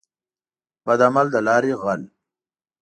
بد عمل دلاري غل.